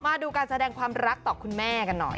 มาดูการแสดงความรักต่อคุณแม่กันหน่อย